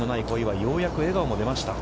ようやく笑顔も出ました。